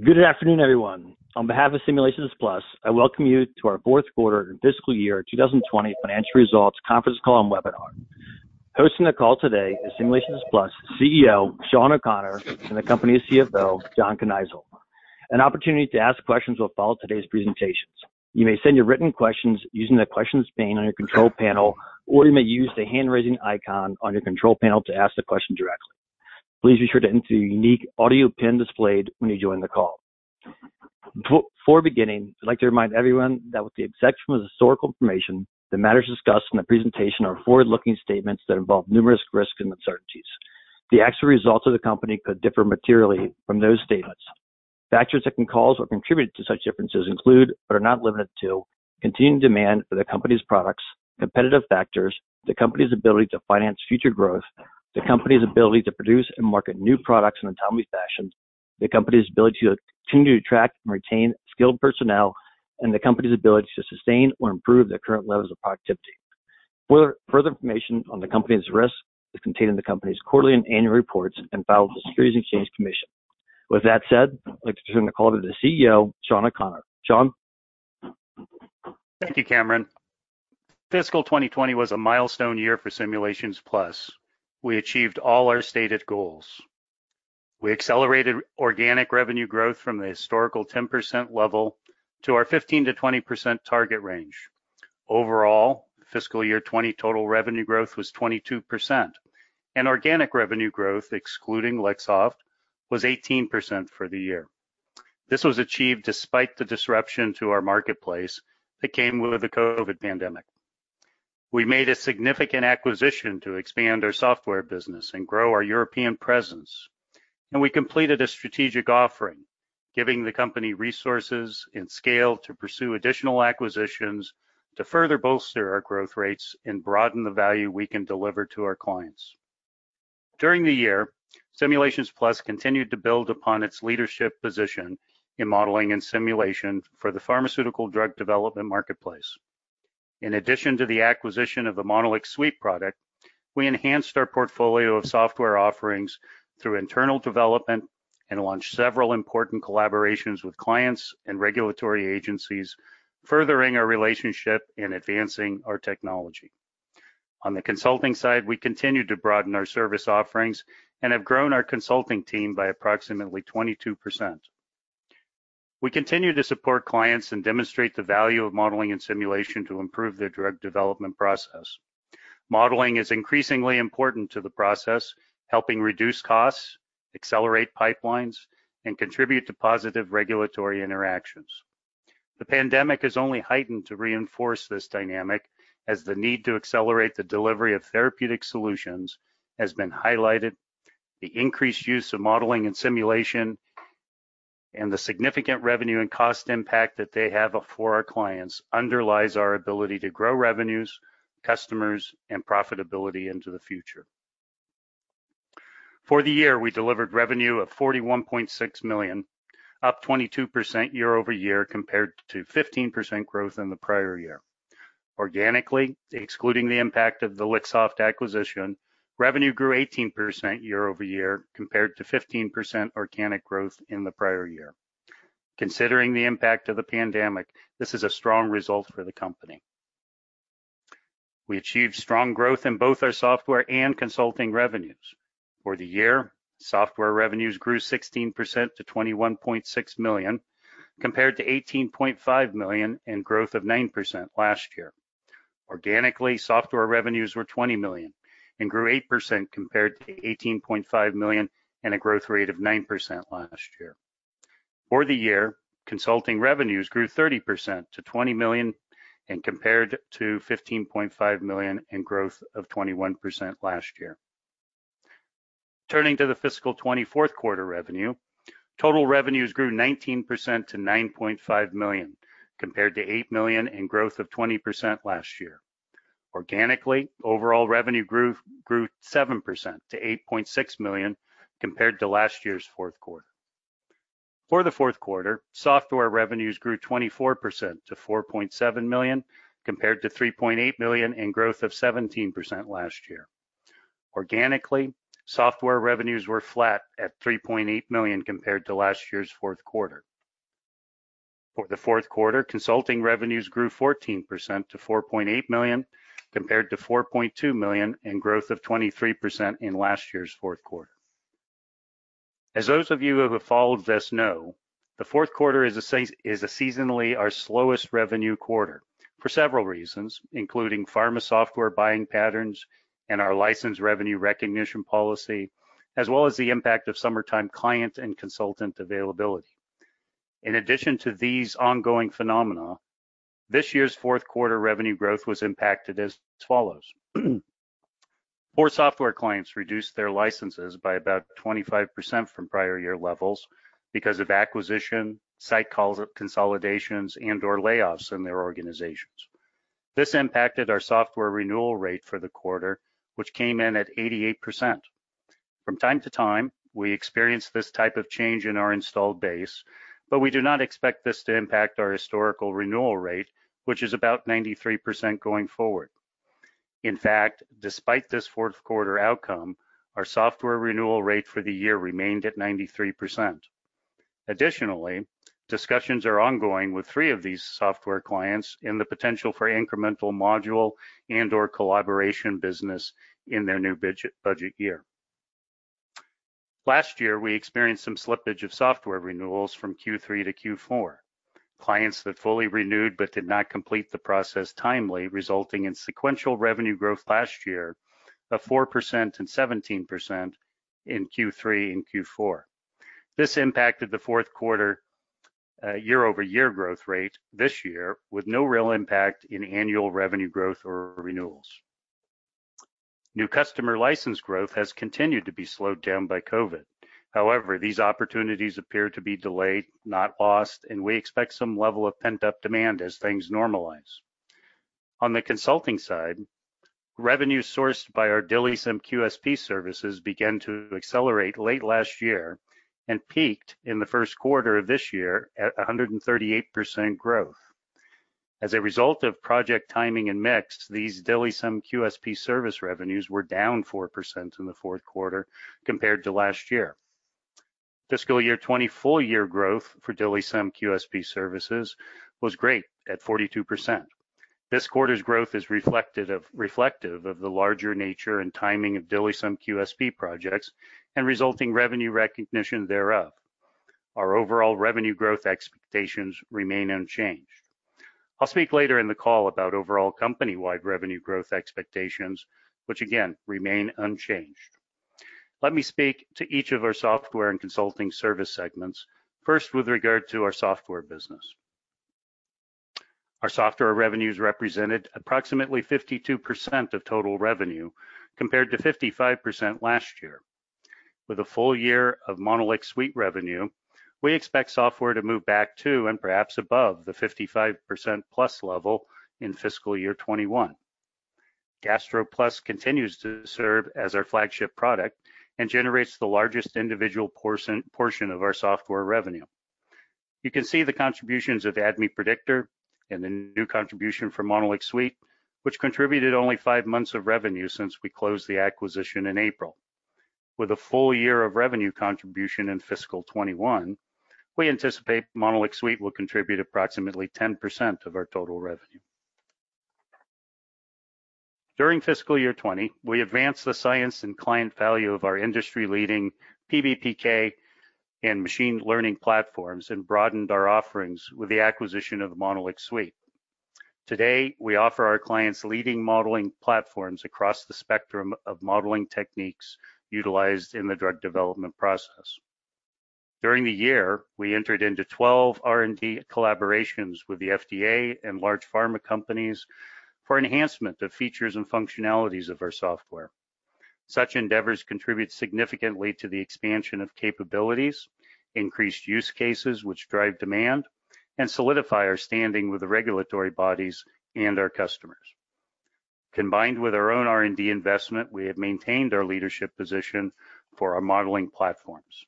Good afternoon, everyone. On behalf of Simulations Plus, I welcome you to our fourth quarter fiscal year 2020 financial results conference call and webinar. Hosting the call today is Simulations Plus CEO, Shawn O'Connor, and the company's CFO, John Kneisel. An opportunity to ask questions will follow today's presentations. You may send your written questions using the Questions pane on your control panel, or you may use the hand-raising icon on your control panel to ask the question directly. Please be sure to enter your unique audio pin displayed when you join the call. Before beginning, I'd like to remind everyone that with the exception of the historical information, the matters discussed in the presentation are forward-looking statements that involve numerous risks and uncertainties. The actual results of the company could differ materially from those statements. Factors that can cause or contribute to such differences include, but are not limited to, continuing demand for the company's products, competitive factors, the company's ability to finance future growth, the company's ability to produce and market new products in a timely fashion, the company's ability to continue to attract and retain skilled personnel, and the company's ability to sustain or improve the current levels of productivity. Further information on the company's risks is contained in the company's quarterly and annual reports and filed with the Securities and Exchange Commission. With that said, I'd like to turn the call to the CEO, Shawn O'Connor. Shawn? Thank you, Cameron. Fiscal 2020 was a milestone year for Simulations Plus. We achieved all our stated goals. We accelerated organic revenue growth from the historical 10% level to our 15%-20% target range. Overall, fiscal year 2020 total revenue growth was 22%, and organic revenue growth, excluding Lixoft, was 18% for the year. This was achieved despite the disruption to our marketplace that came with the COVID pandemic. We made a significant acquisition to expand our software business and grow our European presence. We completed a strategic offering, giving the company resources and scale to pursue additional acquisitions to further bolster our growth rates and broaden the value we can deliver to our clients. During the year, Simulations Plus continued to build upon its leadership position in modeling and simulation for the pharmaceutical drug development marketplace. In addition to the acquisition of the MonolixSuite product, we enhanced our portfolio of software offerings through internal development and launched several important collaborations with clients and regulatory agencies, furthering our relationship and advancing our technology. On the consulting side, we continued to broaden our service offerings and have grown our consulting team by approximately 22%. We continue to support clients and demonstrate the value of modeling and simulation to improve their drug development process. Modeling is increasingly important to the process, helping reduce costs, accelerate pipelines, and contribute to positive regulatory interactions. The pandemic has only heightened to reinforce this dynamic, as the need to accelerate the delivery of therapeutic solutions has been highlighted. The increased use of modeling and simulation, and the significant revenue and cost impact that they have for our clients underlies our ability to grow revenues, customers, and profitability into the future. For the year, we delivered revenue of $41.6 million, up 22% year-over-year, compared to 15% growth in the prior year. Organically, excluding the impact of the Lixoft acquisition, revenue grew 18% year-over-year, compared to 15% organic growth in the prior year. Considering the impact of the pandemic, this is a strong result for the company. We achieved strong growth in both our software and consulting revenues. For the year, software revenues grew 16% to $21.6 million, compared to $18.5 million and growth of 9% last year. Organically, software revenues were $20 million and grew 8% compared to $18.5 million and a growth rate of 9% last year. For the year, consulting revenues grew 30% to $20 million and compared to $15.5 million and growth of 21% last year. Turning to the fiscal 2020 fourth quarter revenue, total revenues grew 19% to $9.5 million, compared to $8 million and growth of 20% last year. Organically, overall revenue grew 7% to $8.6 million compared to last year's fourth quarter. For the fourth quarter, software revenues grew 24% to $4.7 million, compared to $3.8 million and growth of 17% last year. Organically, software revenues were flat at $3.8 million compared to last year's fourth quarter. For the fourth quarter, consulting revenues grew 14% to $4.8 million, compared to $4.2 million and growth of 23% in last year's fourth quarter. As those of you who have followed this know, the fourth quarter is seasonally our slowest revenue quarter for several reasons, including pharma software buying patterns and our license revenue recognition policy, as well as the impact of summertime client and consultant availability. In addition to these ongoing phenomena, this year's fourth quarter revenue growth was impacted as follows. Four software clients reduced their licenses by about 25% from prior year levels because of acquisition, site consolidations, and/or layoffs in their organizations. This impacted our software renewal rate for the quarter, which came in at 88%. From time to time, we experience this type of change in our installed base, but we do not expect this to impact our historical renewal rate, which is about 93% going forward. In fact, despite this fourth quarter outcome, our software renewal rate for the year remained at 93%. Additionally, discussions are ongoing with three of these software clients in the potential for incremental module and/or collaboration business in their new budget year. Last year, we experienced some slippage of software renewals from Q3-Q4. Clients that fully renewed but did not complete the process timely, resulting in sequential revenue growth last year of 4% and 17% in Q3 and Q4. This impacted the fourth quarter year-over-year growth rate this year, with no real impact in annual revenue growth or renewals. New customer license growth has continued to be slowed down by COVID. However, these opportunities appear to be delayed, not lost, and we expect some level of pent-up demand as things normalize. On the consulting side, revenue sourced by our DILIsym QSP services began to accelerate late last year and peaked in the first quarter of this year at 138% growth. As a result of project timing and mix, these DILIsym QSP service revenues were down 4% in the fourth quarter compared to last year. fiscal year 2020 full year growth for DILIsym QSP services was great at 42%. This quarter's growth is reflective of the larger nature and timing of DILIsym QSP projects and resulting revenue recognition thereof. Our overall revenue growth expectations remain unchanged. I'll speak later in the call about overall company-wide revenue growth expectations, which again, remain unchanged. Let me speak to each of our software and consulting service segments, first with regard to our software business. Our software revenues represented approximately 52% of total revenue, compared to 55% last year. With a full year of MonolixSuite revenue, we expect software to move back to, and perhaps above, the 55%+ level in fiscal year 2021. GastroPlus continues to serve as our flagship product and generates the largest individual portion of our software revenue. You can see the contributions of ADMET Predictor and the new contribution from MonolixSuite, which contributed only five months of revenue since we closed the acquisition in April. With a full year of revenue contribution in fiscal 2021, we anticipate MonolixSuite will contribute approximately 10% of our total revenue. During fiscal year 2020, we advanced the science and client value of our industry-leading PBPK and machine learning platforms and broadened our offerings with the acquisition of MonolixSuite. Today, we offer our clients leading modeling platforms across the spectrum of modeling techniques utilized in the drug development process. During the year, we entered into 12 R&D collaborations with the FDA and large pharma companies for enhancement of features and functionalities of our software. Such endeavors contribute significantly to the expansion of capabilities, increased use cases which drive demand, and solidify our standing with the regulatory bodies and our customers. Combined with our own R&D investment, we have maintained our leadership position for our modeling platforms.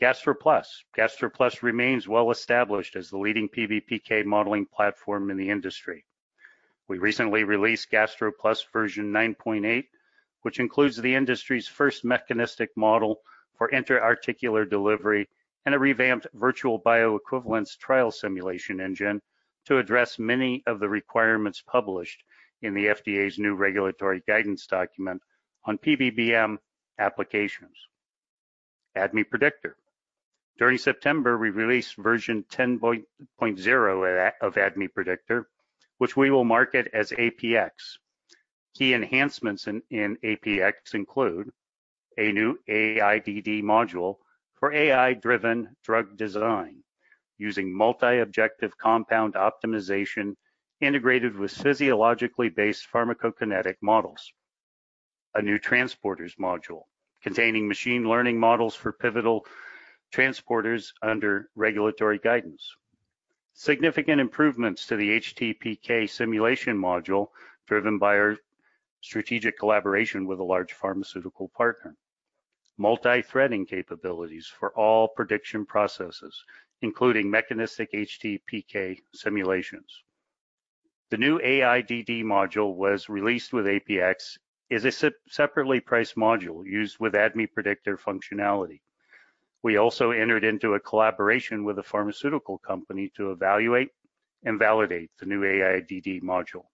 GastroPlus. GastroPlus remains well-established as the leading PBPK modeling platform in the industry. We recently released GastroPlus version 9.8, which includes the industry's first mechanistic model for intra-articular delivery and a revamped virtual bioequivalence trial simulation engine to address many of the requirements published in the FDA's new regulatory guidance document on PBPK applications. ADMET Predictor. During September, we released version 10.0 of ADMET Predictor, which we will market as APX. Key enhancements in APX include a new AIDD module for AI-driven drug design using multi-objective compound optimization integrated with physiologically based pharmacokinetic models. A new transporters module containing machine learning models for pivotal transporters under regulatory guidance. Significant improvements to the HTPK simulation module, driven by our strategic collaboration with a large pharmaceutical partner. Multi-threading capabilities for all prediction processes, including mechanistic HTPK simulations. The new AIDD module was released with APX as a separately priced module used with ADMET Predictor functionality. We also entered into a collaboration with a pharmaceutical company to evaluate and validate the new AIDD module.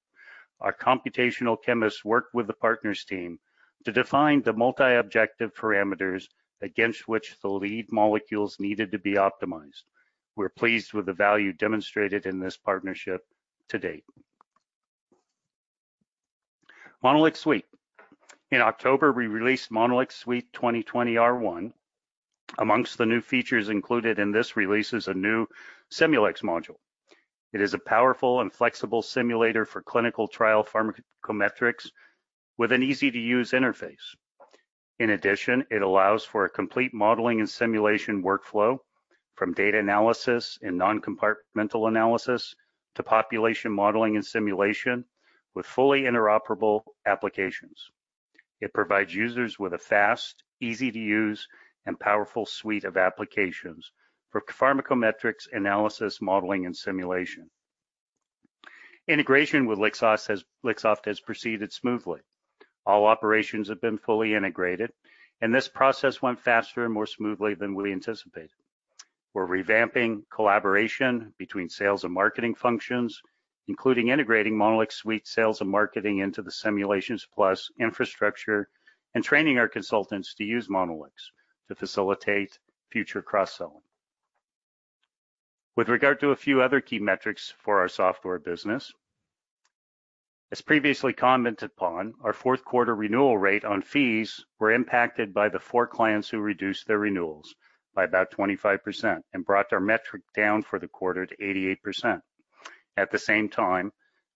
Our computational chemists worked with the partners team to define the multi-objective parameters against which the lead molecules needed to be optimized. We're pleased with the value demonstrated in this partnership to date. MonolixSuite. In October, we released MonolixSuite 2020 R1. Amongst the new features included in this release is a new Simulx module. It is a powerful and flexible simulator for clinical trial pharmacometrics with an easy-to-use interface. In addition, it allows for a complete modeling and simulation workflow from data analysis and non-compartmental analysis to population modeling and simulation with fully interoperable applications. It provides users with a fast, easy to use, and powerful suite of applications for pharmacometrics analysis, modeling, and simulation. Integration with Lixoft has proceeded smoothly. All operations have been fully integrated, and this process went faster and more smoothly than we anticipated. We're revamping collaboration between sales and marketing functions, including integrating MonolixSuite sales and marketing into the Simulations Plus infrastructure and training our consultants to use Monolix to facilitate future cross-selling. With regard to a few other key metrics for our software business, as previously commented upon, our fourth quarter renewal rate on fees were impacted by the four clients who reduced their renewals by about 25% and brought our metric down for the quarter to 88%. At the same time,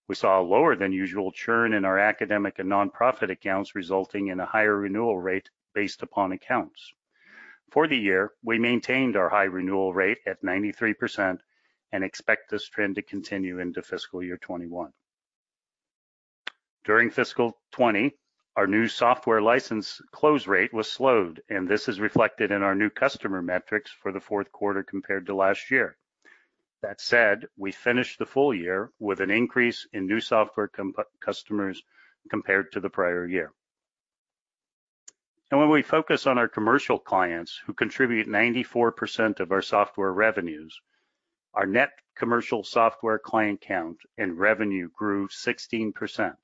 we saw a lower than usual churn in our academic and nonprofit accounts, resulting in a higher renewal rate based upon accounts. For the year, we maintained our high renewal rate at 93% and expect this trend to continue into fiscal year 2021. During fiscal 2020, our new software license close rate was slowed, and this is reflected in our new customer metrics for the fourth quarter compared to last year. That said, we finished the full year with an increase in new software customers compared to the prior year. When we focus on our commercial clients who contribute 94% of our software revenues, our net commercial software client count and revenue grew 16%,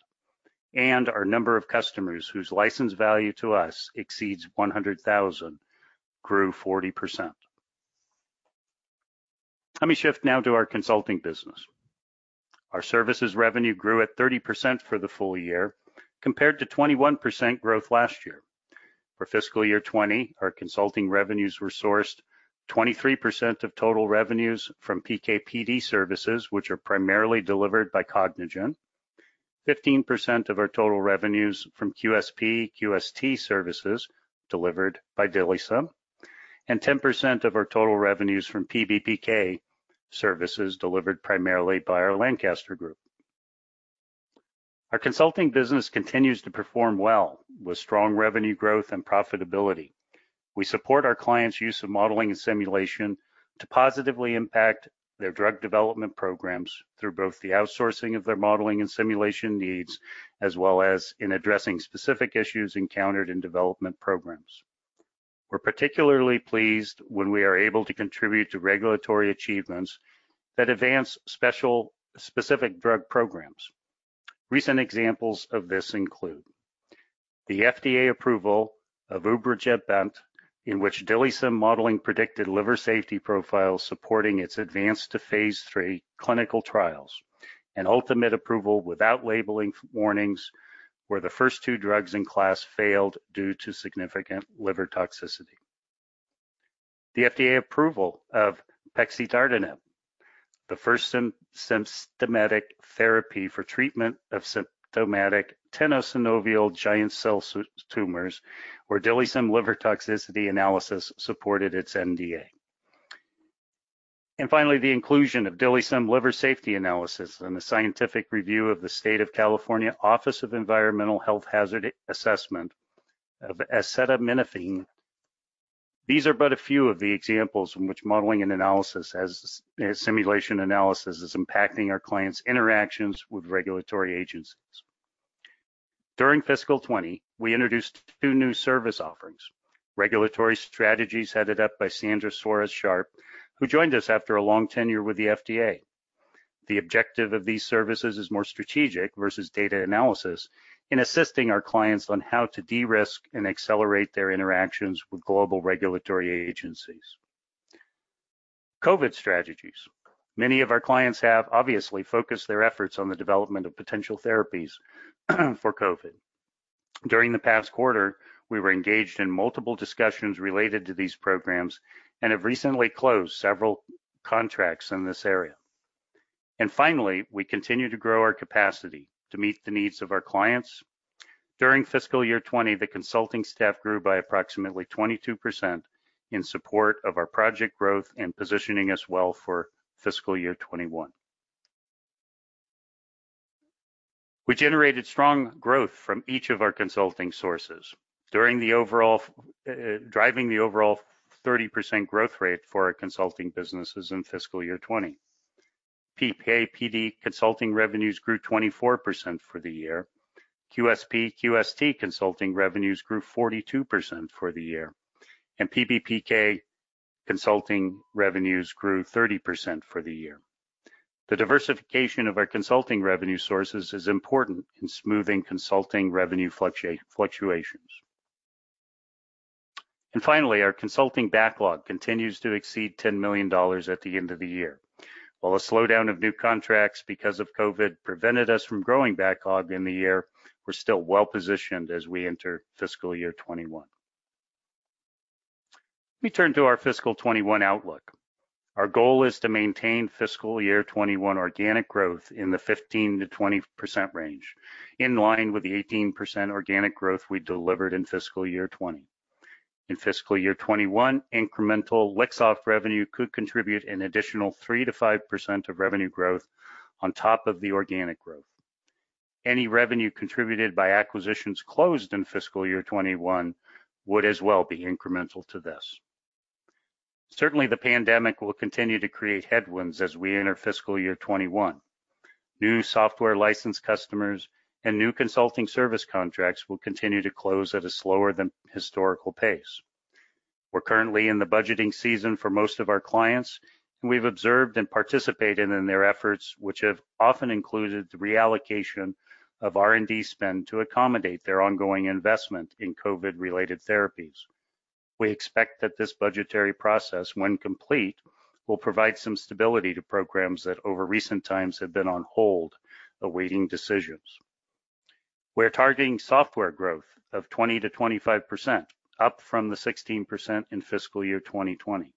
and our number of customers whose license value to us exceeds 100,000 grew 40%. Let me shift now to our consulting business. Our services revenue grew at 30% for the full year, compared to 21% growth last year. For fiscal year 2020, our consulting revenues were sourced 23% of total revenues from PK/PD services, which are primarily delivered by Cognigen, 15% of our total revenues from QSP/QST services delivered by DILIsym, and 10% of our total revenues from PBPK services delivered primarily by our Lancaster group. Our consulting business continues to perform well with strong revenue growth and profitability. We support our clients' use of modeling and simulation to positively impact their drug development programs through both the outsourcing of their modeling and simulation needs, as well as in addressing specific issues encountered in development programs. We're particularly pleased when we are able to contribute to regulatory achievements that advance specific drug programs. Recent examples of this include the FDA approval of UBRELVY, in which DILIsym modeling predicted liver safety profile supporting its advance to phase III clinical trials and ultimate approval without labeling warnings where the first two drugs in class failed due to significant liver toxicity. The FDA approval of pexidartinib, the first symptomatic therapy for treatment of symptomatic tenosynovial giant cell tumors, where DILIsym liver toxicity analysis supported its NDA. Finally, the inclusion of DILIsym liver safety analysis in the scientific review of the State of California Office of Environmental Health Hazard Assessment of acetaminophen. These are but a few of the examples in which modeling and simulation analysis is impacting our clients' interactions with regulatory agencies. During fiscal 2020, we introduced two new service offerings. Regulatory Strategies, headed up by Sandra Suarez-Sharp, who joined us after a long tenure with the FDA. The objective of these services is more strategic versus data analysis in assisting our clients on how to de-risk and accelerate their interactions with global regulatory agencies. COVID strategies. Many of our clients have obviously focused their efforts on the development of potential therapies for COVID. During the past quarter, we were engaged in multiple discussions related to these programs and have recently closed several contracts in this area. Finally, we continue to grow our capacity to meet the needs of our clients. During fiscal year 2020, the consulting staff grew by approximately 22% in support of our project growth and positioning us well for fiscal year 2021. We generated strong growth from each of our consulting sources, driving the overall 30% growth rate for our consulting businesses in fiscal year 2020. PK/PD consulting revenues grew 24% for the year. QSP/QST consulting revenues grew 42% for the year, and PBPK consulting revenues grew 30% for the year. The diversification of our consulting revenue sources is important in smoothing consulting revenue fluctuations. Finally, our consulting backlog continues to exceed $10 million at the end of the year. While a slowdown of new contracts because of COVID prevented us from growing backlog in the year, we're still well-positioned as we enter fiscal year 2021. Let me turn to our fiscal 2021 outlook. Our goal is to maintain fiscal year 2021 organic growth in the 15%-20% range, in line with the 18% organic growth we delivered in fiscal year 2020. In fiscal year 2021, incremental Lixoft revenue could contribute an additional 3%-5% of revenue growth on top of the organic growth. Any revenue contributed by acquisitions closed in fiscal year 2021 would as well be incremental to this. Certainly, the pandemic will continue to create headwinds as we enter fiscal year 2021. New software license customers and new consulting service contracts will continue to close at a slower than historical pace. We're currently in the budgeting season for most of our clients, and we've observed and participated in their efforts, which have often included the reallocation of R&D spend to accommodate their ongoing investment in COVID-related therapies. We expect that this budgetary process, when complete, will provide some stability to programs that over recent times have been on hold, awaiting decisions. We're targeting software growth of 20%-25%, up from the 16% in fiscal year 2020.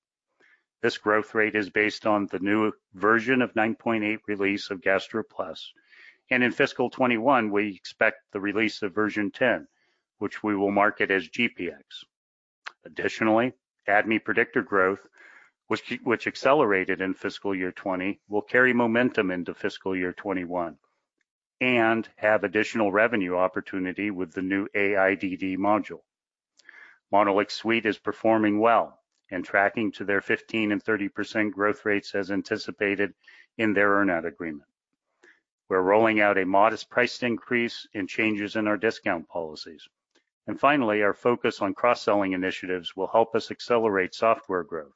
This growth rate is based on the new version 9.8 release of GastroPlus, and in fiscal 2021, we expect the release of version 10, which we will market as GPX. Additionally, ADMET Predictor growth, which accelerated in fiscal year 2020, will carry momentum into fiscal year 2021 and have additional revenue opportunity with the new AIDD module. MonolixSuite is performing well and tracking to their 15% and 30% growth rates as anticipated in their earn-out agreement. We're rolling out a modest price increase in changes in our discount policies. Finally, our focus on cross-selling initiatives will help us accelerate software growth.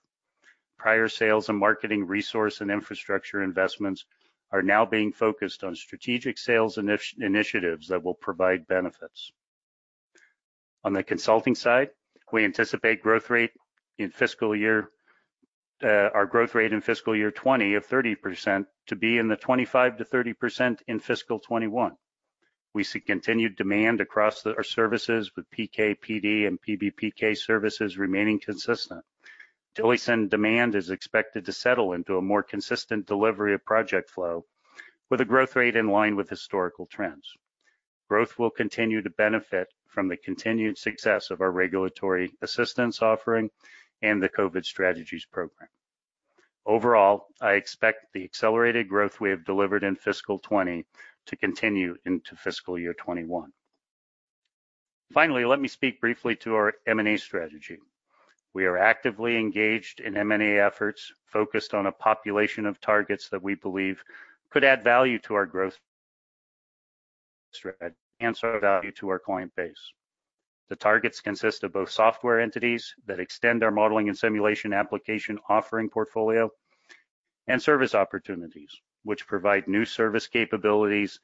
Prior sales and marketing resource and infrastructure investments are now being focused on strategic sales initiatives that will provide benefits. On the consulting side, we anticipate our growth rate in fiscal year 2020 of 30% to be in the 25%-30% in fiscal 2021. We see continued demand across our services with PK/PD and PBPK services remaining consistent. DILIsym demand is expected to settle into a more consistent delivery of project flow with a growth rate in line with historical trends. Growth will continue to benefit from the continued success of our regulatory assistance offering and the COVID strategies program. Overall, I expect the accelerated growth we have delivered in fiscal 2020 to continue into fiscal year 2021. Finally, let me speak briefly to our M&A strategy. We are actively engaged in M&A efforts focused on a population of targets that we believe could add value to our growth and serve value to our client base. The targets consist of both software entities that extend our modeling and simulation application offering portfolio and service opportunities, which provide new service capabilities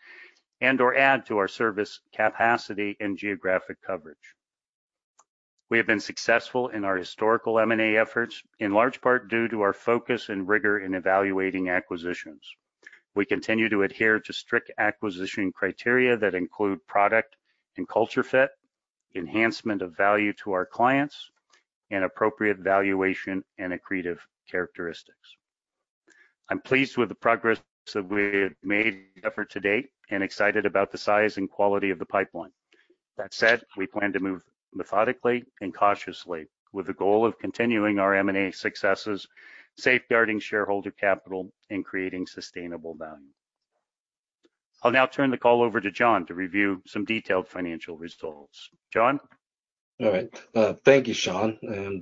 and/or add to our service capacity and geographic coverage. We have been successful in our historical M&A efforts, in large part due to our focus and rigor in evaluating acquisitions. We continue to adhere to strict acquisition criteria that include product and culture fit, enhancement of value to our clients, and appropriate valuation and accretive characteristics. I'm pleased with the progress that we have made to date and excited about the size and quality of the pipeline. That said, we plan to move methodically and cautiously with the goal of continuing our M&A successes, safeguarding shareholder capital, and creating sustainable value. I'll now turn the call over to John to review some detailed financial results. John? All right. Thank you, Shawn, and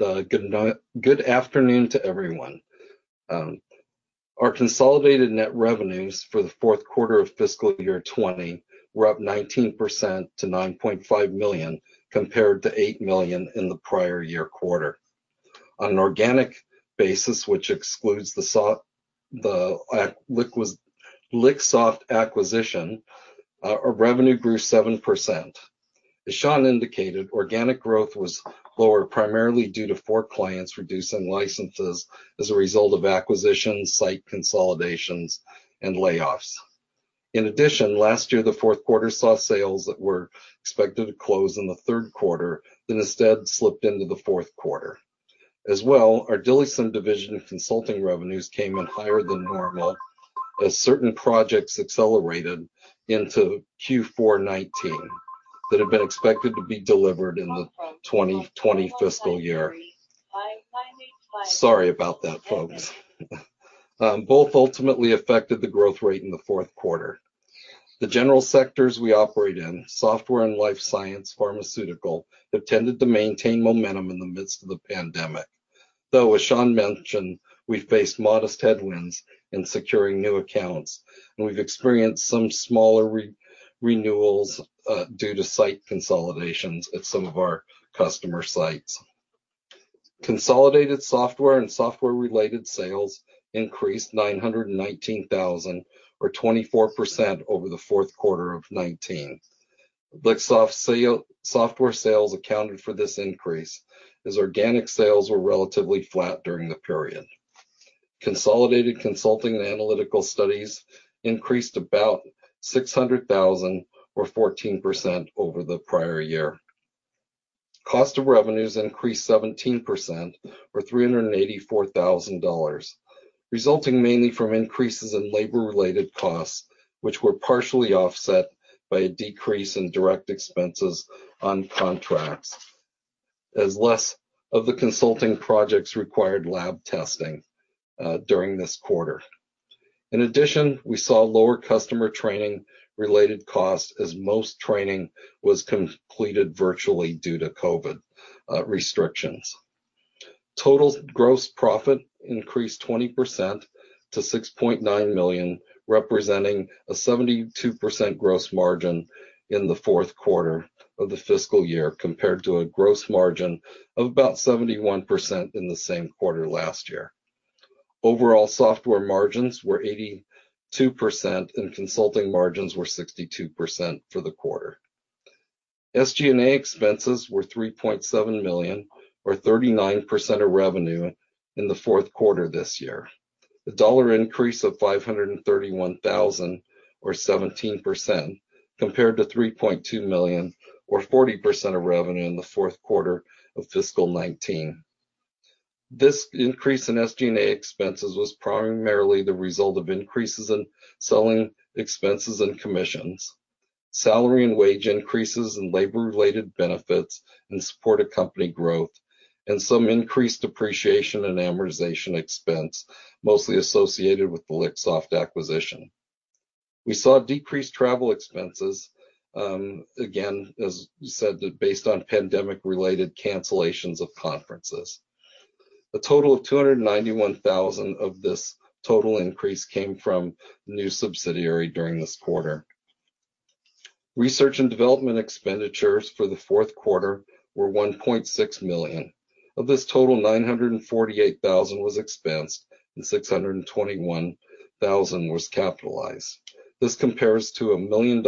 good afternoon to everyone. Our consolidated net revenues for the fourth quarter of fiscal year 2020 were up 19% to $9.5 million, compared to $8 million in the prior year quarter. On an organic basis, which excludes the Lixoft acquisition, our revenue grew 7%. As Shawn indicated, organic growth was lower primarily due to four clients reducing licenses as a result of acquisitions, site consolidations, and layoffs. In addition, last year, the fourth quarter saw sales that were expected to close in the third quarter, then instead slipped into the fourth quarter. As well, our DILIsym division of consulting revenues came in higher than normal as certain projects accelerated into Q4 2019, that had been expected to be delivered in the 2020 fiscal year. Sorry about that, folks. Both ultimately affected the growth rate in the fourth quarter. The general sectors we operate in, software and life science, pharmaceutical, have tended to maintain momentum in the midst of the pandemic. As Shawn mentioned, we faced modest headwinds in securing new accounts, and we've experienced some smaller renewals due to site consolidations at some of our customer sites. Consolidated software and software-related sales increased $919,000, or 24%, over the fourth quarter of 2019. Lixoft software sales accounted for this increase, as organic sales were relatively flat during the period. Consolidated consulting and analytical studies increased about $600,000, or 14%, over the prior year. Cost of revenues increased 17%, or $384,000, resulting mainly from increases in labor-related costs, which were partially offset by a decrease in direct expenses on contracts, as less of the consulting projects required lab testing during this quarter. In addition, we saw lower customer training-related costs as most training was completed virtually due to COVID restrictions. Total gross profit increased 20% to $6.9 million, representing a 72% gross margin in the fourth quarter of the fiscal year, compared to a gross margin of about 71% in the same quarter last year. Overall software margins were 82%, and consulting margins were 62% for the quarter. SG&A expenses were $3.7 million, or 39% of revenue in the fourth quarter this year. A dollar increase of $531,000, or 17%, compared to $3.2 million, or 40% of revenue in the fourth quarter of fiscal 2019. This increase in SG&A expenses was primarily the result of increases in selling expenses and commissions, salary and wage increases and labor-related benefits in support of company growth, and some increased depreciation and amortization expense, mostly associated with the Lixoft acquisition. We saw decreased travel expenses, again, as we said, based on pandemic-related cancellations of conferences. A total of $291,000 of this total increase came from the new subsidiary during this quarter. Research and development expenditures for the fourth quarter were $1.6 million. Of this total, $948,000 was expensed and $621,000 was capitalized. This compares to $1 million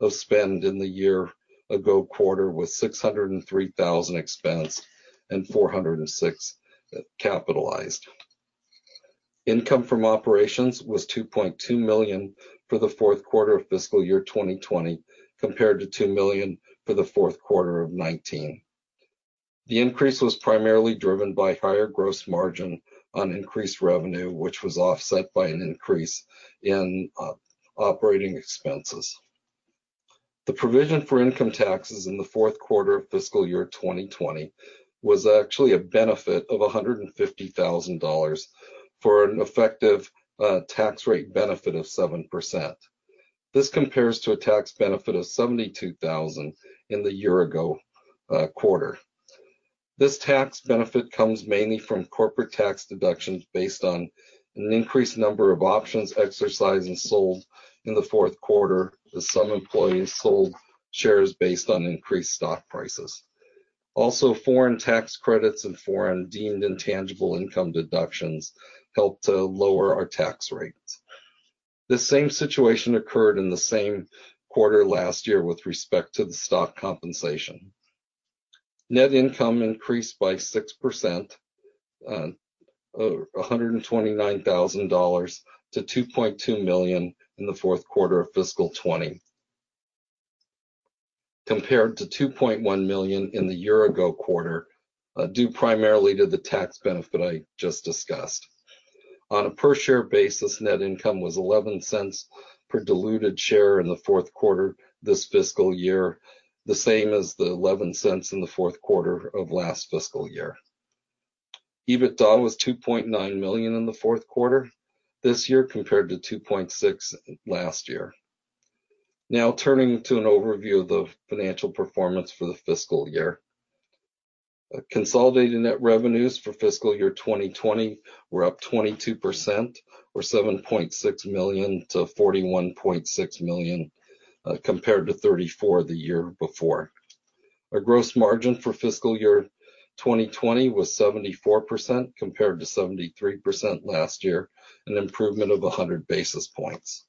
of spend in the year ago quarter, with $603,000 expensed and $406 capitalized. Income from operations was $2.2 million for the fourth quarter of fiscal year 2020, compared to $2 million for the fourth quarter of 2019. The increase was primarily driven by higher gross margin on increased revenue, which was offset by an increase in operating expenses. The provision for income taxes in the fourth quarter of fiscal year 2020 was actually a benefit of $150,000 for an effective tax rate benefit of 7%. This compares to a tax benefit of $72,000 in the year ago quarter. This tax benefit comes mainly from corporate tax deductions based on an increased number of options exercised and sold in the fourth quarter, as some employees sold shares based on increased stock prices. Foreign tax credits and foreign deemed intangible income deductions helped to lower our tax rates. This same situation occurred in the same quarter last year with respect to the stock compensation. Net income increased by 6%, $129,000-$2.2 million in the fourth quarter of FY 2020, compared to $2.1 million in the year ago quarter, due primarily to the tax benefit I just discussed. On a per share basis, net income was $0.11 per diluted share in the fourth quarter this fiscal year, the same as the $0.11 in the fourth quarter of last fiscal year. EBITDA was $2.9 million in the fourth quarter this year, compared to $2.6 million last year. Now turning to an overview of the financial performance for the fiscal year. Consolidated net revenues for fiscal year 2020 were up 22%, or $7.6 million-$41.6 million, compared to $34 million the year before. Our gross margin for fiscal year 2020 was 74%, compared to 73% last year, an improvement of 100 basis points.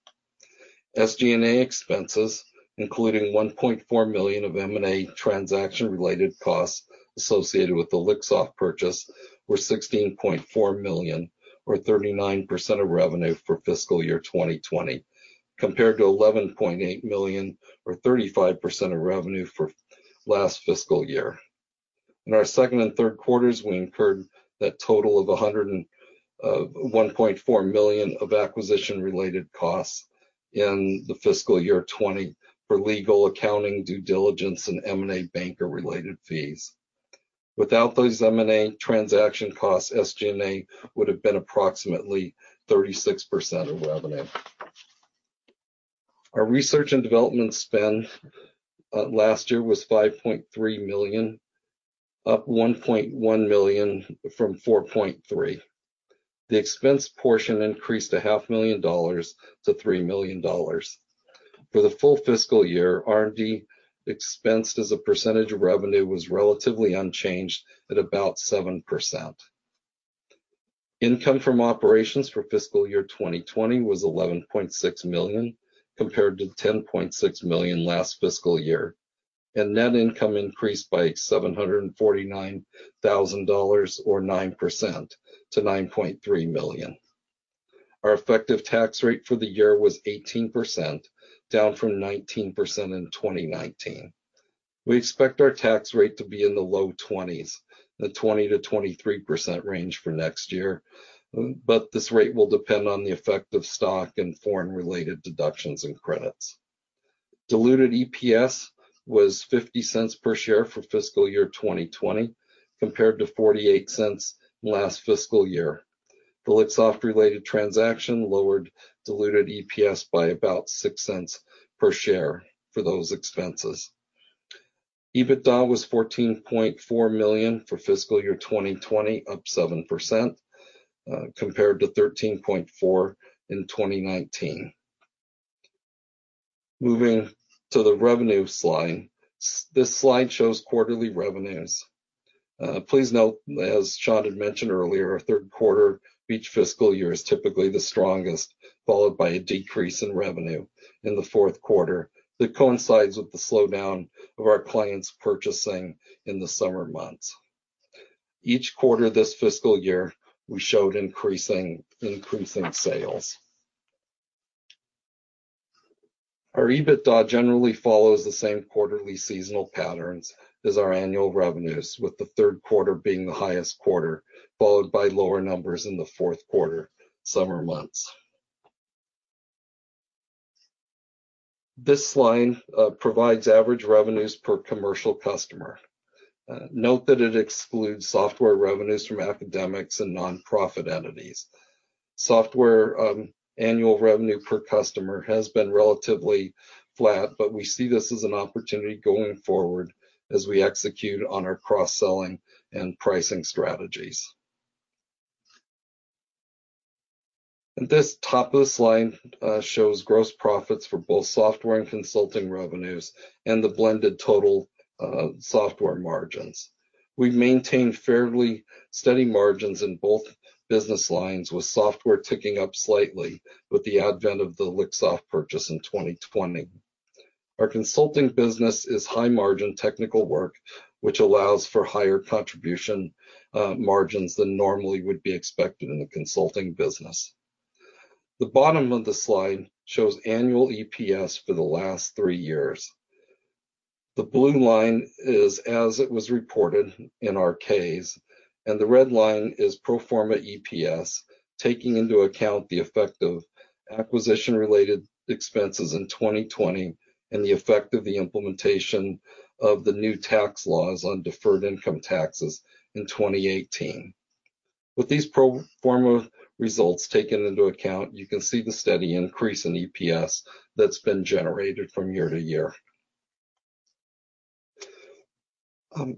SG&A expenses, including $1.4 million of M&A transaction-related costs associated with the Lixoft purchase, were $16.4 million, or 39% of revenue for fiscal year 2020, compared to $11.8 million, or 35% of revenue for last fiscal year. In our second and third quarters, we incurred that total of $1.4 million of acquisition-related costs in the fiscal year 2020 for legal, accounting, due diligence, and M&A banker-related fees. Without those M&A transaction costs, SG&A would have been approximately 36% of revenue. Our research and development spend last year was $5.3 million, up $1.1 million from $4.3 million. The expense portion increased a half million dollars to $3 million. For the full fiscal year, R&D expensed as a percentage of revenue was relatively unchanged at about 7%. Income from operations for fiscal year 2020 was $11.6 million, compared to $10.6 million last fiscal year, and net income increased by $749,000, or 9%, to $9.3 million. Our effective tax rate for the year was 18%, down from 19% in 2019. We expect our tax rate to be in the low 20s, the 20%-23% range for next year, but this rate will depend on the effect of stock and foreign-related deductions and credits. Diluted EPS was $0.50 per share for fiscal year 2020 compared to $0.48 last fiscal year. The Lixoft-related transaction lowered diluted EPS by about $0.06 per share for those expenses. EBITDA was $14.4 million for fiscal year 2020, up 7%, compared to $13.4 million in 2019. Moving to the revenue slide. This slide shows quarterly revenues. Please note, as Shawn had mentioned earlier, our third quarter of each fiscal year is typically the strongest, followed by a decrease in revenue in the fourth quarter that coincides with the slowdown of our clients purchasing in the summer months. Each quarter this fiscal year, we showed increasing sales. Our EBITDA generally follows the same quarterly seasonal patterns as our annual revenues, with the third quarter being the highest quarter, followed by lower numbers in the fourth quarter, summer months. This slide provides average revenues per commercial customer. Note that it excludes software revenues from academics and non-profit entities. Software annual revenue per customer has been relatively flat. We see this as an opportunity going forward as we execute on our cross-selling and pricing strategies. The top of this slide shows gross profits for both software and consulting revenues and the blended total software margins. We've maintained fairly steady margins in both business lines, with software ticking up slightly with the advent of the Lixoft purchase in 2020. Our consulting business is high margin technical work, which allows for higher contribution margins than normally would be expected in a consulting business. The bottom of the slide shows annual EPS for the last three years. The blue line is as it was reported in our case, and the red line is pro forma EPS, taking into account the effect of acquisition-related expenses in 2020 and the effect of the implementation of the new tax laws on deferred income taxes in 2018. With these pro forma results taken into account, you can see the steady increase in EPS that's been generated from year to year.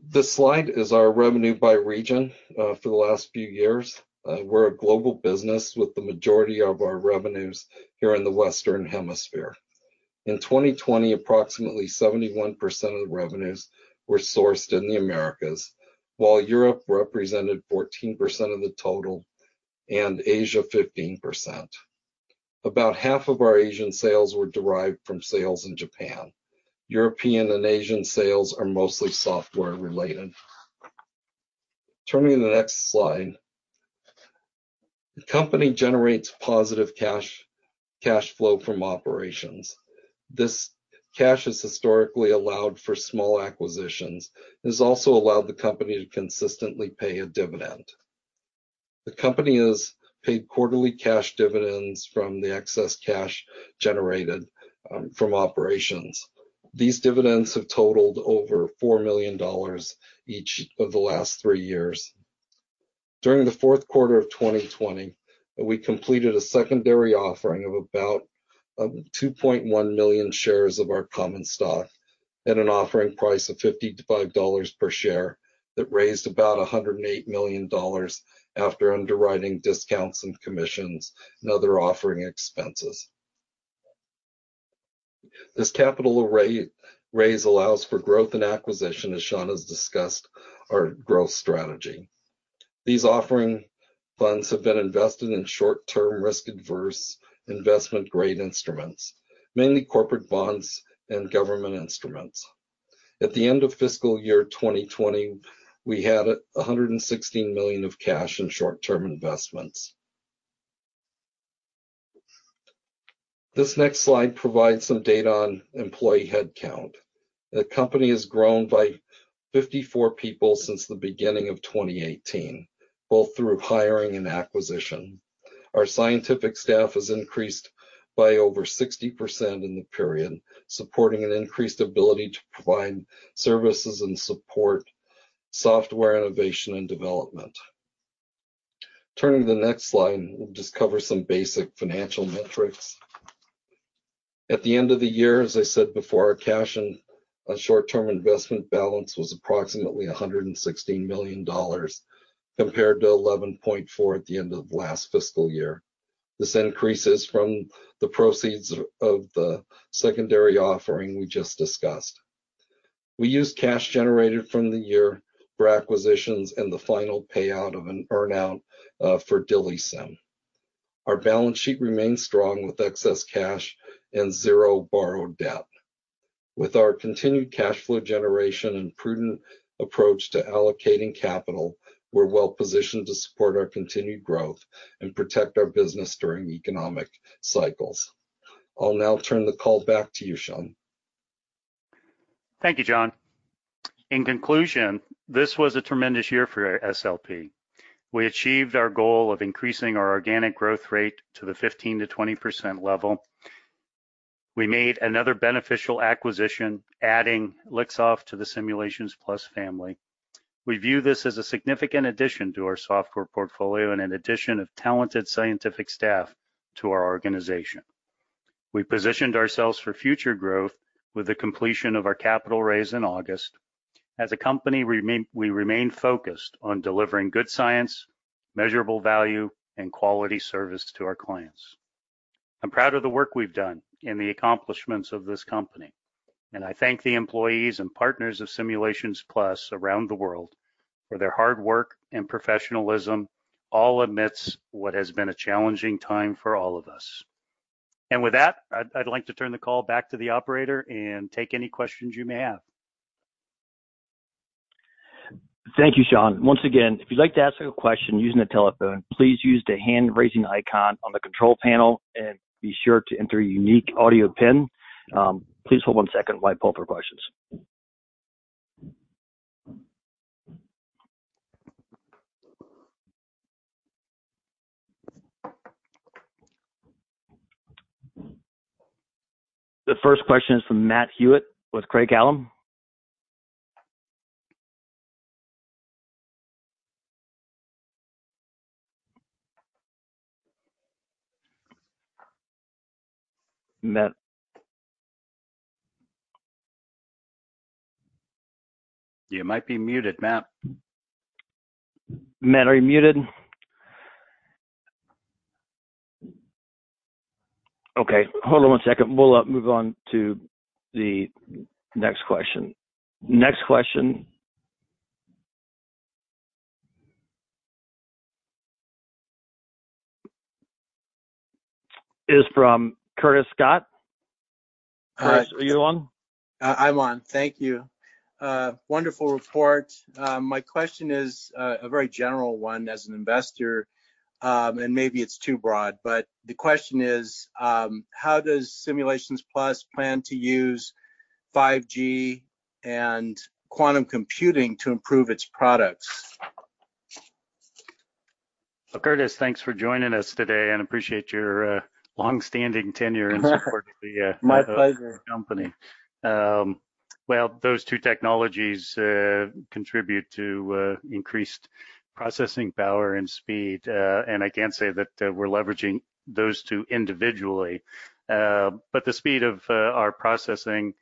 This slide is our revenue by region for the last few years. We're a global business with the majority of our revenues here in the Western Hemisphere. In 2020, approximately 71% of the revenues were sourced in the Americas, while Europe represented 14% of the total and Asia 15%. About half of our Asian sales were derived from sales in Japan. European and Asian sales are mostly software-related. Turning to the next slide. The company generates positive cash flow from operations. This cash has historically allowed for small acquisitions, and has also allowed the company to consistently pay a dividend. The company has paid quarterly cash dividends from the excess cash generated from operations. These dividends have totaled over $4 million each of the last three years. During the fourth quarter of 2020, we completed a secondary offering of about 2.1 million shares of our common stock at an offering price of $55 per share that raised about $108 million after underwriting discounts and commissions and other offering expenses. This capital raise allows for growth and acquisition, as Shawn has discussed our growth strategy. These offering funds have been invested in short-term, risk-averse investment grade instruments, mainly corporate bonds and government instruments. At the end of fiscal year 2020, we had $116 million of cash in short-term investments. This next slide provides some data on employee headcount. The company has grown by 54 people since the beginning of 2018, both through hiring and acquisition. Our scientific staff has increased by over 60% in the period, supporting an increased ability to provide services and support software innovation and development. Turning to the next slide, we'll just cover some basic financial metrics. At the end of the year, as I said before, our cash and short-term investment balance was approximately $116 million compared to $11.4 at the end of last fiscal year. This increase is from the proceeds of the secondary offering we just discussed. We used cash generated from the year for acquisitions and the final payout of an earn-out for DILIsym. Our balance sheet remains strong with excess cash and zero borrowed debt. With our continued cash flow generation and prudent approach to allocating capital, we're well positioned to support our continued growth and protect our business during economic cycles. I'll now turn the call back to you, Shawn. Thank you, John. In conclusion, this was a tremendous year for SLP. We achieved our goal of increasing our organic growth rate to the 15%-20% level. We made another beneficial acquisition, adding Lixoft to the Simulations Plus family. We view this as a significant addition to our software portfolio and an addition of talented scientific staff to our organization. We positioned ourselves for future growth with the completion of our capital raise in August. As a company, we remain focused on delivering good science, measurable value, and quality service to our clients. I'm proud of the work we've done and the accomplishments of this company, and I thank the employees and partners of Simulations Plus around the world for their hard work and professionalism, all amidst what has been a challenging time for all of us. With that, I'd like to turn the call back to the operator and take any questions you may have. Thank you, Shawn. Once again, if you'd like to ask a question using a telephone, please use the hand-raising icon on the control panel and be sure to enter your unique audio pin. Please hold one second while I pull for questions. The first question is from Matt Hewitt with Craig-Hallum. Matt? You might be muted, Matt. Matt, are you muted? Okay, hold on one second. We'll move on to the next question. Next question is from Curtis Scott. Curtis, are you on? I'm on. Thank you. Wonderful report. My question is a very general one as an investor, and maybe it's too broad, but the question is, how does Simulations Plus plan to use 5G and quantum computing to improve its products? Curtis, thanks for joining us today and appreciate your longstanding tenure and support. My pleasure. Well, those two technologies contribute to increased processing power and speed. I can't say that we're leveraging those two individually. The speed of our processing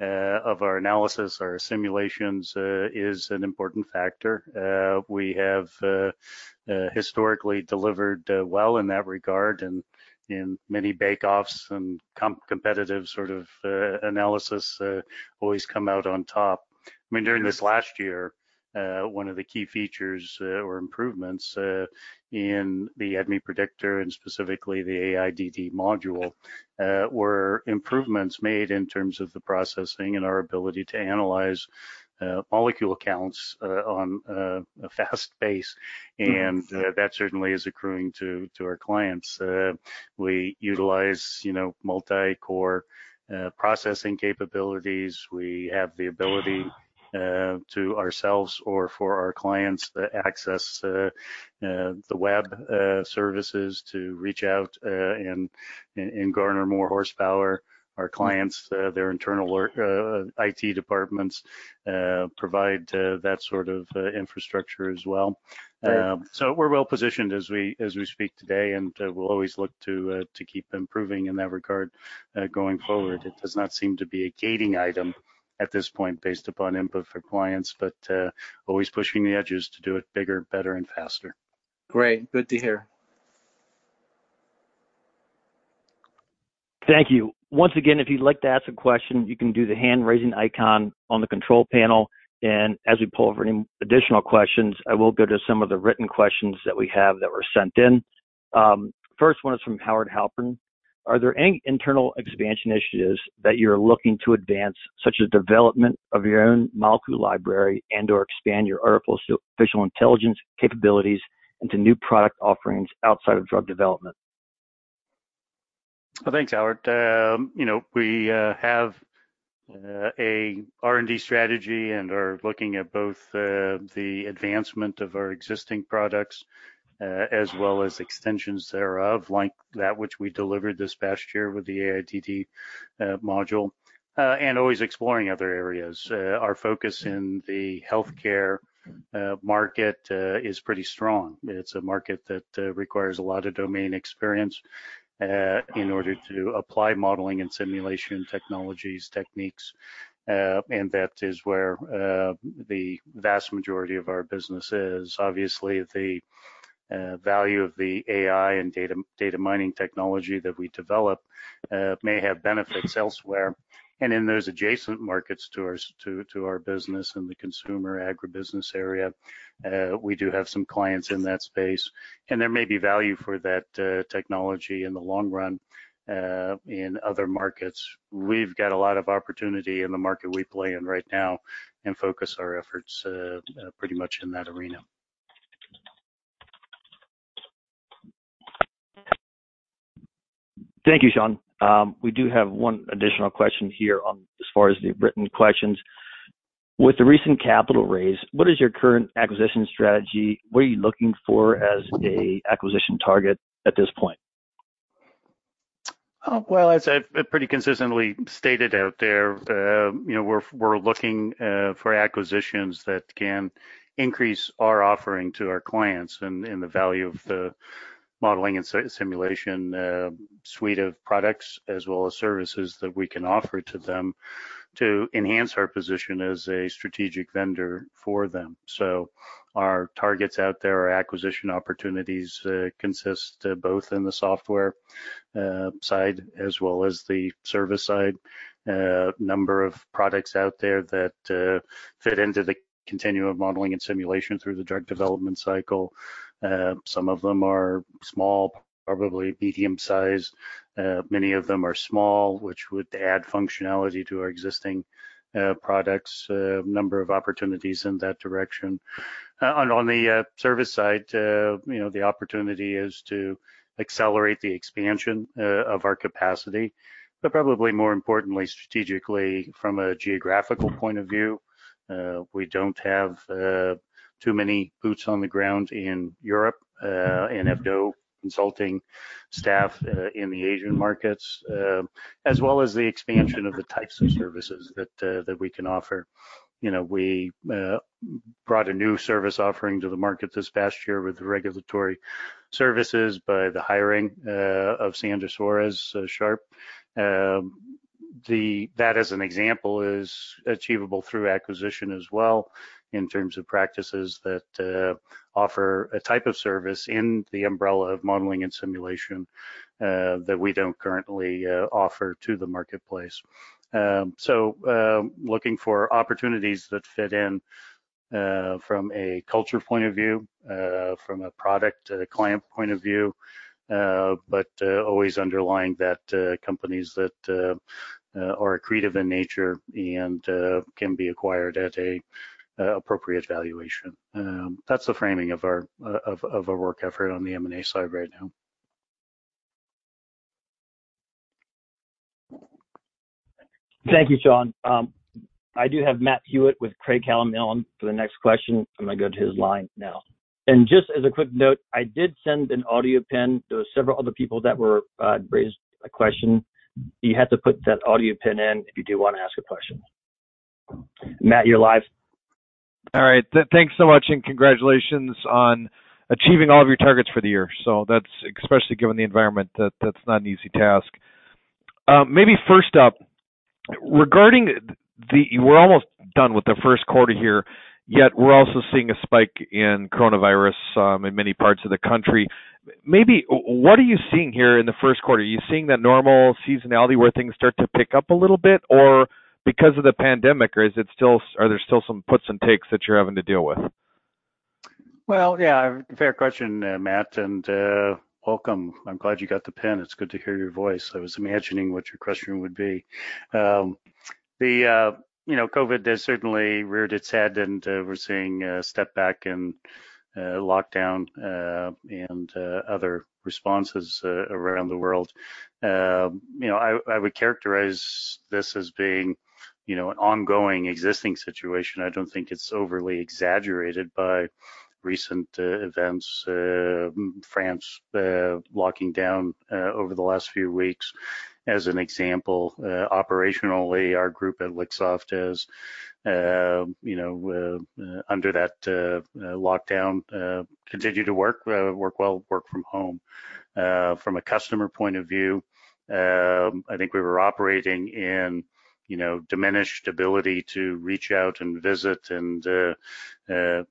of our analysis, our simulations, is an important factor. We have historically delivered well in that regard, and in many bake-offs and competitive sort of analysis, always come out on top. During this last year, one of the key features or improvements in the ADMET Predictor, and specifically the AIDD module, were improvements made in terms of the processing and our ability to analyze molecule counts on a fast pace. That certainly is accruing to our clients. We utilize multi-core processing capabilities. We have the ability to ourselves or for our clients to access the web services to reach out and garner more horsepower. Our clients, their internal IT departments provide that sort of infrastructure as well. Great. We're well-positioned as we speak today, and we'll always look to keep improving in that regard going forward. It does not seem to be a gating item at this point based upon input for clients. Always pushing the edges to do it bigger, better, and faster. Great. Good to hear. Thank you. Once again, if you'd like to ask a question, you can do the hand-raising icon on the control panel, and as we pull for any additional questions, I will go to some of the written questions that we have that were sent in. First one is from Howard Halpern. "Are there any internal expansion initiatives that you're looking to advance, such as development of your own molecule library and/or expand your artificial intelligence capabilities into new product offerings outside of drug development? Thanks, Howard. We have a R&D strategy and are looking at both the advancement of our existing products as well as extensions thereof, like that which we delivered this past year with the AIDD module. Always exploring other areas. Our focus in the healthcare market is pretty strong. It's a market that requires a lot of domain experience in order to apply modeling and simulation technologies, techniques, and that is where the vast majority of our business is. Obviously, the value of the AI and data mining technology that we develop may have benefits elsewhere. In those adjacent markets to our business in the consumer agribusiness area, we do have some clients in that space, and there may be value for that technology in the long run in other markets. We've got a lot of opportunity in the market we play in right now and focus our efforts pretty much in that arena. Thank you, Shawn. We do have one additional question here as far as the written questions. With the recent capital raise, what is your current acquisition strategy? What are you looking for as an acquisition target at this point? Well, as I've pretty consistently stated out there, we're looking for acquisitions that can increase our offering to our clients and the value of the modeling and simulation suite of products as well as services that we can offer to them to enhance our position as a strategic vendor for them. Our targets out there, our acquisition opportunities consist both in the software side as well as the service side. A number of products out there that fit into the continuum of modeling and simulation through the drug development cycle. Some of them are small, probably medium size. Many of them are small, which would add functionality to our existing products. A number of opportunities in that direction. On the service side, the opportunity is to accelerate the expansion of our capacity, but probably more importantly, strategically from a geographical point of view. We don't have too many boots on the ground in Europe and have no consulting staff in the Asian markets, as well as the expansion of the types of services that we can offer. We brought a new service offering to the market this past year with regulatory services by the hiring of Sandra Suarez-Sharp. That, as an example, is achievable through acquisition as well, in terms of practices that offer a type of service in the umbrella of modeling and simulation that we don't currently offer to the marketplace. Looking for opportunities that fit in from a culture point of view, from a product client point of view, but always underlying that companies that are accretive in nature and can be acquired at a appropriate valuation. That's the framing of our work effort on the M&A side right now. Thank you, Shawn. I do have Matt Hewitt with Craig-Hallum on for the next question. I'm going to go to his line now. Just as a quick note, I did send an audio pin. There were several other people that raised a question. You have to put that audio pin in if you do want to ask a question. Matt, you're live. All right. Thanks so much, and congratulations on achieving all of your targets for the year. That's, especially given the environment, that's not an easy task. First up, we're almost done with the first quarter here, yet we're also seeing a spike in coronavirus in many parts of the country. What are you seeing here in the first quarter? Are you seeing that normal seasonality where things start to pick up a little bit, or because of the pandemic, or are there still some puts and takes that you're having to deal with? Well, yeah. Fair question, Matt. Welcome. I'm glad you got the pin. It's good to hear your voice. I was imagining what your question would be. COVID has certainly reared its head, and we're seeing a step back and lockdown, and other responses around the world. I would characterize this as being an ongoing, existing situation. I don't think it's overly exaggerated by recent events. France locking down over the last few weeks, as an example. Operationally, our group at Lixoft is under that lockdown, continue to work well, work from home. From a customer point of view, I think we were operating in diminished ability to reach out and visit and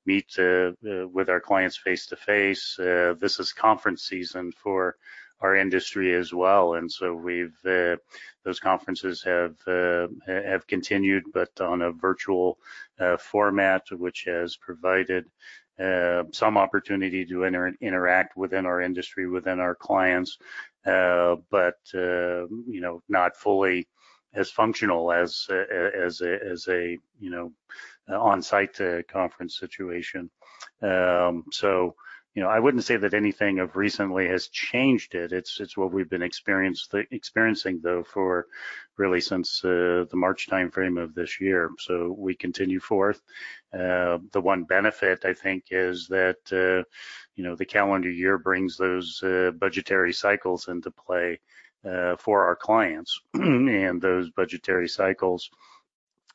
meet with our clients face-to-face. This is conference season for our industry as well, and so those conferences have continued, but on a virtual format, which has provided some opportunity to interact within our industry, within our clients. Not fully as functional as a on-site conference situation. I wouldn't say that anything of recently has changed it. It's what we've been experiencing, though, for really since the March timeframe of this year. We continue forth. The one benefit, I think, is that the calendar year brings those budgetary cycles into play for our clients, and those budgetary cycles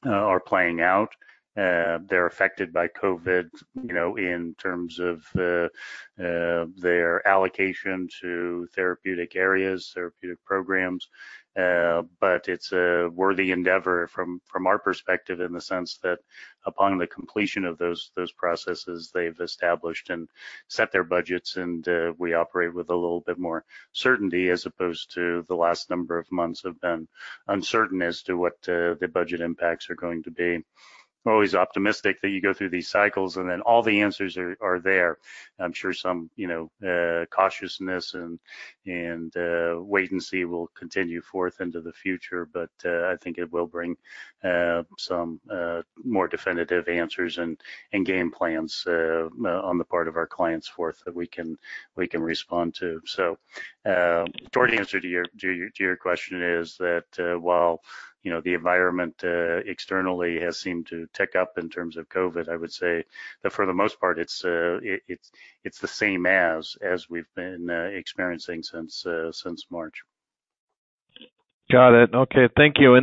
are playing out. They're affected by COVID in terms of their allocation to therapeutic areas, therapeutic programs. It's a worthy endeavor from our perspective in the sense that upon the completion of those processes, they've established and set their budgets and we operate with a little bit more certainty as opposed to the last number of months have been uncertain as to what the budget impacts are going to be. Always optimistic that you go through these cycles and then all the answers are there. I'm sure some cautiousness and wait and see will continue forth into the future. I think it will bring some more definitive answers and game plans on the part of our clients forth that we can respond to. Short answer to your question is that, while the environment externally has seemed to tick up in terms of COVID, I would say that for the most part, it's the same as we've been experiencing since March. Got it. Okay. Thank you.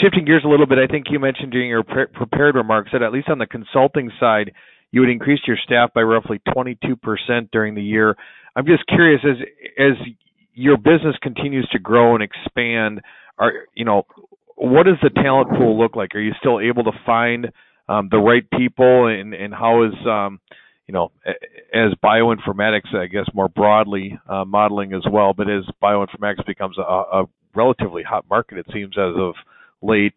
Shifting gears a little bit, I think you mentioned during your prepared remarks that at least on the consulting side, you would increase your staff by roughly 22% during the year. I'm just curious, as your business continues to grow and expand, what does the talent pool look like? Are you still able to find the right people and how is, as bioinformatics, more broadly, modeling as well, but as bioinformatics becomes a relatively hot market, it seems as of late,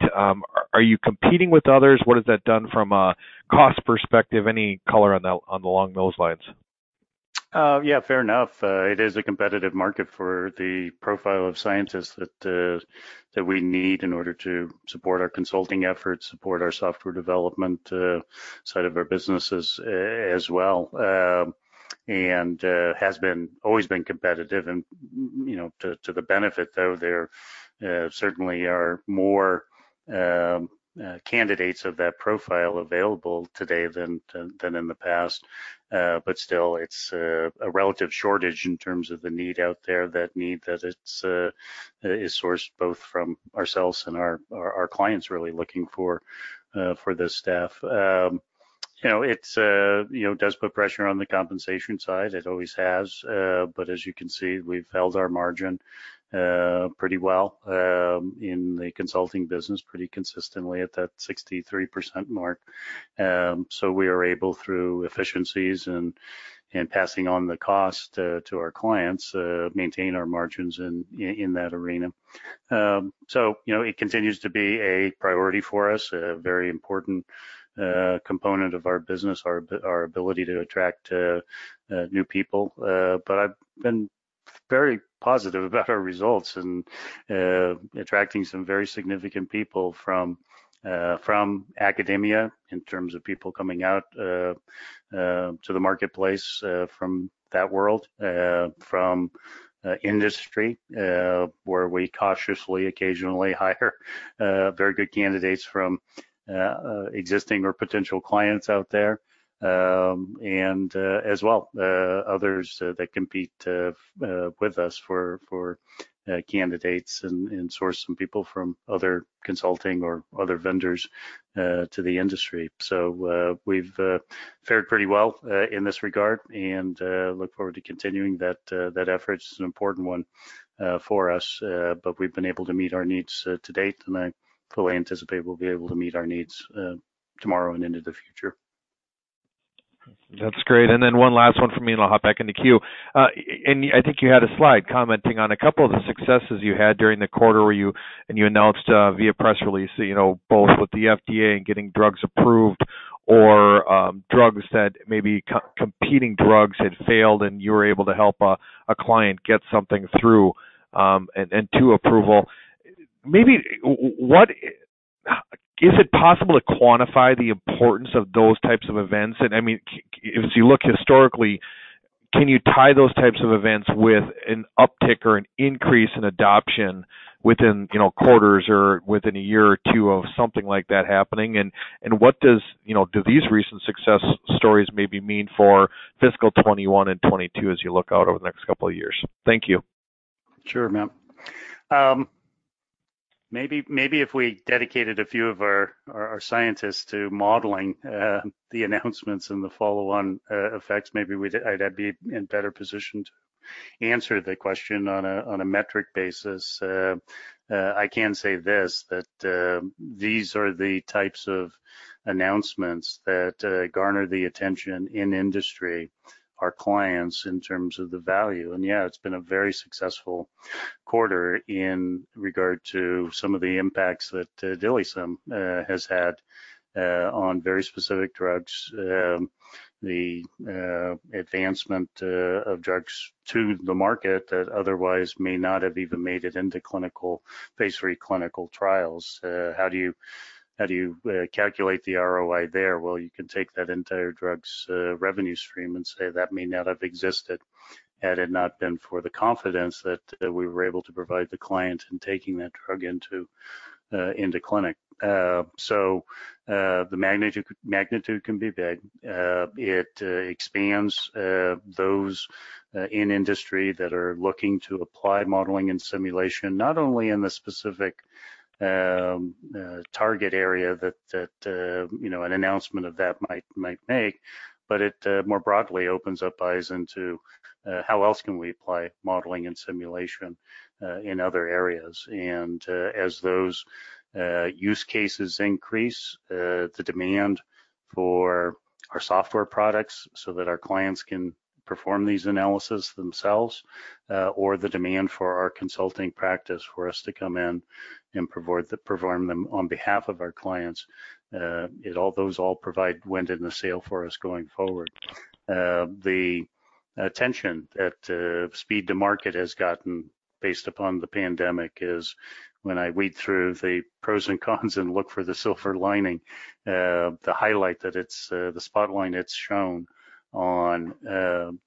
are you competing with others? What has that done from a cost perspective? Any color along those lines? Yeah, fair enough. It is a competitive market for the profile of scientists that we need in order to support our consulting efforts, support our software development side of our businesses as well, and has always been competitive and to the benefit, though, there certainly are more candidates of that profile available today than in the past. Still, it's a relative shortage in terms of the need out there. That need is sourced both from ourselves and our clients really looking for those staff. It does put pressure on the compensation side. It always has, but as you can see, we've held our margin pretty well in the consulting business pretty consistently at that 63% mark. We are able, through efficiencies and passing on the cost to our clients, maintain our margins in that arena. It continues to be a priority for us, a very important component of our business, our ability to attract new people. I've been very positive about our results and attracting some very significant people from academia in terms of people coming out to the marketplace from that world, from industry where we cautiously, occasionally hire very good candidates from existing or potential clients out there, and as well others that compete with us for candidates and source some people from other consulting or other vendors to the industry. We've fared pretty well in this regard and look forward to continuing that effort. It's an important one for us, but we've been able to meet our needs to date, and I fully anticipate we'll be able to meet our needs tomorrow and into the future. That's great. Then one last one from me and I'll hop back in the queue. I think you had a slide commenting on a couple of the successes you had during the quarter where you announced via press release, both with the FDA and getting drugs approved or maybe competing drugs had failed and you were able to help a client get something through and to approval. Is it possible to quantify the importance of those types of events? I mean, as you look historically, can you tie those types of events with an uptick or an increase in adoption within quarters or within a year or two of something like that happening? What do these recent success stories maybe mean for fiscal 2021 and 2022 as you look out over the next couple of years? Thank you. Sure, Matt. Maybe if we dedicated a few of our scientists to modeling the announcements and the follow-on effects, maybe I'd be in better position to answer the question on a metric basis. I can say this, that these are the types of announcements that garner the attention in industry, our clients, in terms of the value. Yeah, it's been a very successful quarter in regard to some of the impacts that DILIsym has had on very specific drugs, the advancement of drugs to the market that otherwise may not have even made it into phase III clinical trials. How do you calculate the ROI there? Well, you can take that entire drug's revenue stream and say, "That may not have existed had it not been for the confidence that we were able to provide the client in taking that drug into clinic." The magnitude can be big. It expands those in industry that are looking to apply modeling and simulation, not only in the specific target area that an announcement of that might make, but it more broadly opens up eyes into how else can we apply modeling and simulation in other areas. As those use cases increase, the demand for our software products so that our clients can perform these analysis themselves, or the demand for our consulting practice for us to come in and perform them on behalf of our clients, those all provide wind in the sail for us going forward. The attention that speed to market has gotten based upon the pandemic is when I weed through the pros and cons and look for the silver lining, the highlight that it's the spotlight it's shone on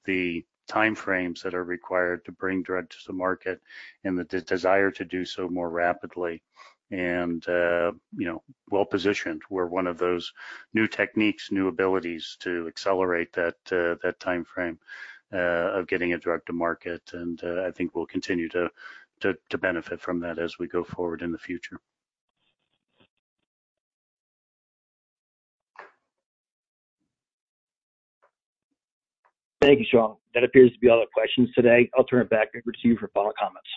the time frames that are required to bring drug to the market and the desire to do so more rapidly and well-positioned. We're one of those new techniques, new abilities to accelerate that time frame of getting a drug to market, and I think we'll continue to benefit from that as we go forward in the future. Thank you, Shawn. That appears to be all the questions today. I'll turn it back over to you for final comments.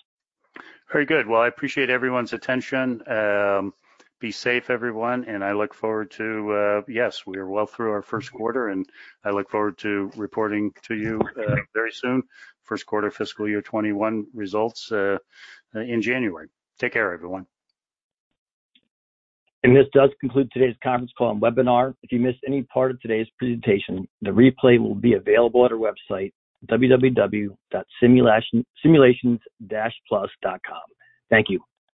Very good. Well, I appreciate everyone's attention. Be safe, everyone. Yes, we are well through our first quarter and I look forward to reporting to you very soon, first quarter fiscal year 2021 results in January. Take care, everyone. This does conclude today's conference call and webinar. If you missed any part of today's presentation, the replay will be available at our website, www.simulations-plus.com. Thank you.